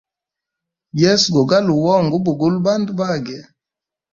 Yesu gogaluwa onga ubugula bandu bage.